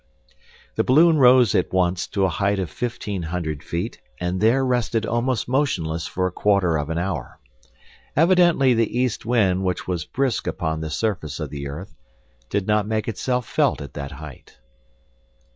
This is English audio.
The balloon rose at once to a height of fifteen hundred feet, and there rested almost motionless for a quarter of an hour. Evidently the east wind, which was brisk upon the Surface of the earth, did not make itself felt at that height.